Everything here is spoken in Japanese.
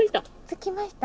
着きました？